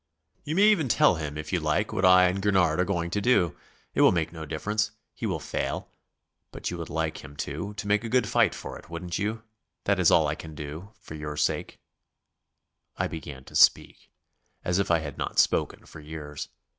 "You may even tell him, if you like, what I and Gurnard are going to do. It will make no difference; he will fall. But you would like him to to make a good fight for it, wouldn't you? That is all I can do ... for your sake." I began to speak as if I had not spoken for years.